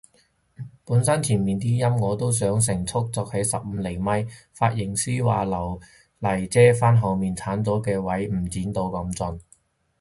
本身前面啲陰我都想成束剪起十五厘米，髮型師話留嚟遮返後面剷咗嘅位唔剪到咁盡